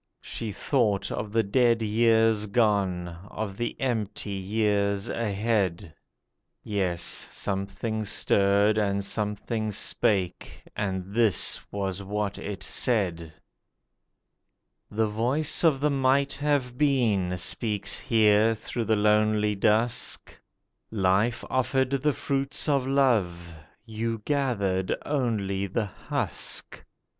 She thought of the dead years gone, of the empty years ahead— (Yes, something stirred and something spake, and this was what it said:) 'The voice of the Might Have Been speaks here through the lonely dusk; Life offered the fruits of love; you gathered only the husk.